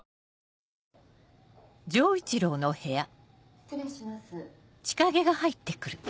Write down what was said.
・失礼します